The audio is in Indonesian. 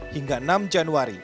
hingga enam januari